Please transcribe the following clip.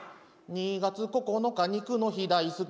「２月９日肉の日大好き」